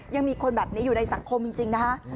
ยังมีคนแบบนี้อยู่ในสังคมจริงนะคะ